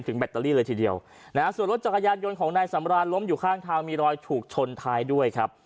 ส่วนรถจักรยานยนต์ของนายสำราญล้มอยู่ข้างทางมีรอยถูกชนท้ายด้วย